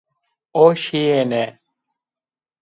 O şîyêne